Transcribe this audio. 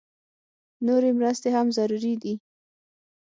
نورې مرستې هم ضروري دي